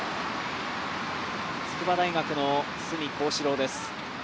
筑波大学の角昂志郎です。